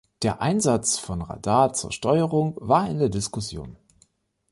Der Einsatz von Radar zur Steuerung war in der Diskussion.